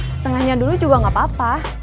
setengahnya dulu juga gak papa